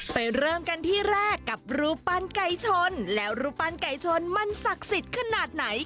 เริ่มกันที่แรกกับรูปปั้นไก่ชนแล้วรูปปั้นไก่ชนมันศักดิ์สิทธิ์ขนาดไหน